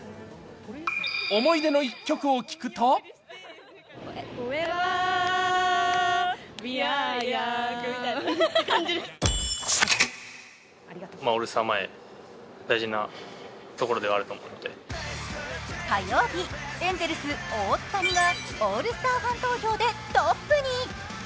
思い出の一曲を聞くと火曜日、エンゼルス・大谷がオールスターファン投票でトップに。